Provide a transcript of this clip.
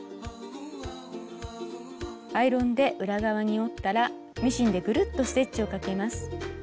アイロンで裏側に折ったらミシンでぐるっとステッチをかけます。